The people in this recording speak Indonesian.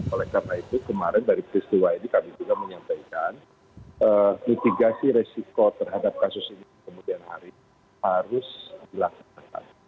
oleh karena itu kemarin dari peristiwa ini kami juga menyampaikan mitigasi resiko terhadap kasus ini kemudian hari harus dilaksanakan